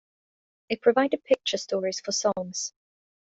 It provided picture stories for songs.